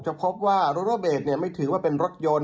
จะพบว่าละละเบศไม่ถือว่าเป็นรถยนต์